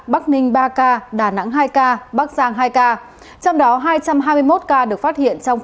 bắc ninh ba ca đà nẵng hai ca bắc giang hai ca trong đó hai trăm hai mươi một ca được phát hiện trong